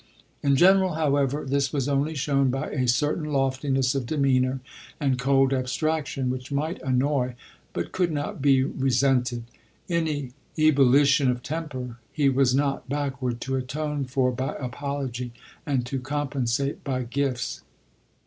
In general, however, this was only shown by a certain loftiness of demeanour and cold abstrac tion, which might annoy, but could not be re sented. Any ebullition of temper he was not baekward to atone for by apology, and to com pensate by gifts.